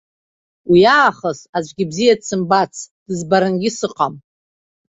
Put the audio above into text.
Уиаахыс аӡәгьы бзиа дсымбацт, дызбарангьы сыҟам!